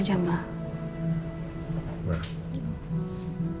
ini cuma kebetulan saja ma